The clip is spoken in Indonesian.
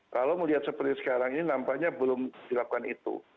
kalau melihat seperti sekarang ini nampaknya belum dilakukan itu